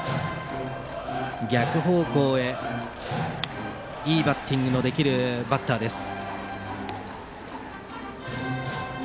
逆方向へいいバッティングのできるバッターです。